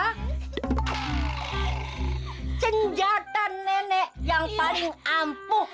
ini penjata nenek yang paling ampuh